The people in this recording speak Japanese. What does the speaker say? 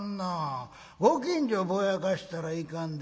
ご近所ぼやかしたらいかんで。